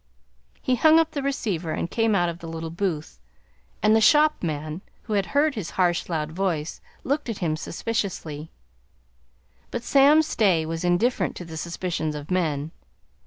He hung up the receiver and came out of the little booth, and the shopman, who had heard his harsh, loud voice, looked at him suspiciously; but Sam Stay was indifferent to the suspicions of men.